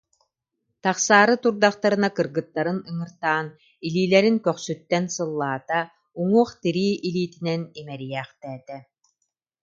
Тахсаары турдахтарына кыргыттарын ыҥыртаан, илиилэрин көхсүттэн сыллаата, уҥуох тирии илиитинэн имэрийээхтээтэ